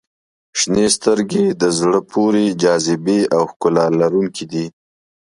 • شنې سترګې د زړه پورې جاذبې او ښکلا لرونکي دي.